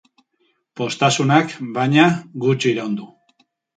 Poztasunak, baina, gutxi iraun du.